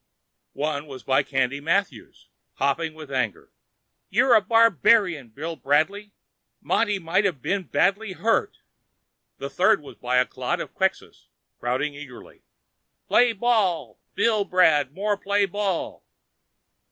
One was by Candy Mathews, hopping with anger. "You're a barbarian, Bill Bradley. Monty might have been badly hurt." The third was by a clot of Quxas, crowding eagerly. "Play ball! Billbrad, more play ball!"